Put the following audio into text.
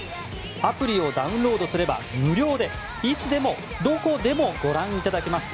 アプリをダウンロードすれば無料でいつでも、どこでもご覧いただけます。